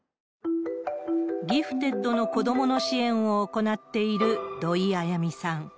ギフテッドの子どもの支援を行っている土居綾美さん。